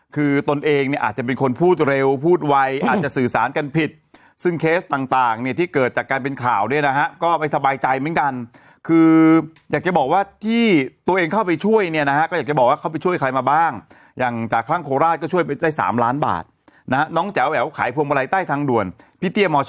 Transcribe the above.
คือตนเองเนี่ยอาจจะเป็นคนพูดเร็วพูดไวอาจจะสื่อสารกันผิดซึ่งเคสต่างเนี่ยที่เกิดจากการเป็นข่าวเนี่ยนะฮะก็ไม่สบายใจเหมือนกันคืออยากจะบอกว่าที่ตัวเองเข้าไปช่วยเนี่ยนะฮะก็อยากจะบอกว่าเข้าไปช่วยใครมาบ้างอย่างจากข้างโคราชก็ช่วยไปได้๓ล้านบาทนะฮะน้องแจ๋วแหววขายพวงมาลัยใต้ทางด่วนพี่เตี้ยมช